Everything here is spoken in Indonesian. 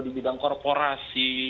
di bidang korporasi